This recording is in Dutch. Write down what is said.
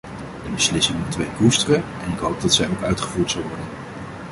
Die beslissing moeten wij koesteren en ik hoop dat zij ook uitgevoerd zal worden.